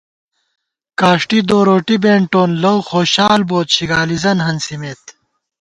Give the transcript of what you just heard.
کاݭٹی دوروٹِی بېنٹون لَؤخوشال بوت شِگالی زن ہنسِمېت